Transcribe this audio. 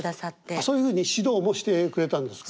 あっそういうふうに指導もしてくれたんですか？